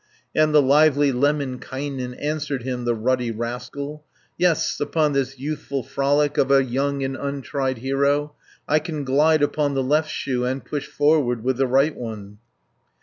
Said the lively Lemminkainen, Answered him the ruddy rascal: "Yes, upon this youthful frolic Of a young and untried hero, I can glide upon the left shoe, And push forward with the right one."